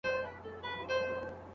که ښه ملګري ولرئ نو ژوند به مو ښه سي.